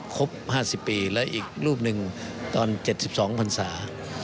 ครบห้าสิบปีและอีกรูปหนึ่งตอนเจ็ดสิบสองพรรษา